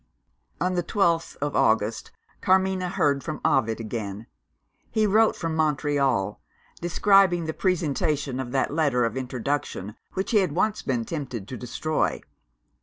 On the twelfth of August, Carmina heard from Ovid again. He wrote from Montreal; describing the presentation of that letter of introduction which he had once been tempted to destroy.